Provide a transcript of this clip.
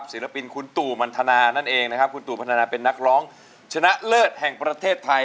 ศิลปินคุณตู่มันทนานั่นเองนะครับคุณตู่พัฒนาเป็นนักร้องชนะเลิศแห่งประเทศไทย